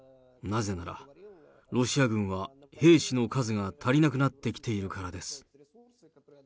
なぜならロシア軍は兵士の数が足りなくなってきているからです。